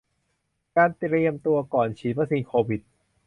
การเตรียมตัวก่อนฉีดวัคซีนโควิด